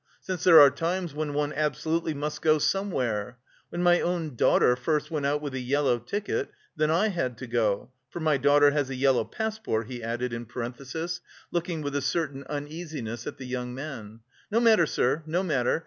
Since there are times when one absolutely must go somewhere! When my own daughter first went out with a yellow ticket, then I had to go... (for my daughter has a yellow passport)," he added in parenthesis, looking with a certain uneasiness at the young man. "No matter, sir, no matter!"